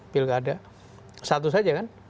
pilkada satu saja kan